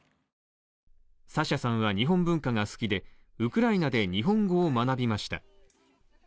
サシャさんは日本文化が好きでウクライナで日本語を学びました。